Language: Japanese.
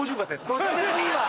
どっちでもいいわ。